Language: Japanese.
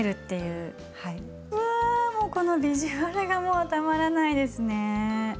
うわこのビジュアルがもうたまらないですね。